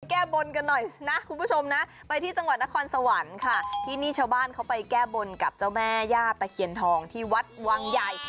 แก้บนกันหน่อยนะคุณผู้ชมนะไปที่จังหวัดนครสวรรค์ค่ะที่นี่ชาวบ้านเขาไปแก้บนกับเจ้าแม่ย่าตะเคียนทองที่วัดวังใหญ่